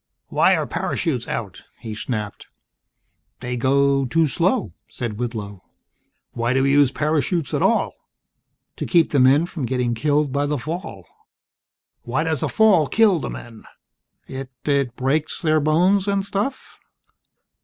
"Why are parachutes out?" he snapped. "They go too slow," said Whitlow. "Why do we use parachutes at all?" "To keep the men from getting killed by the fall." "Why does a fall kill the men?" "It It breaks their bones and stuff."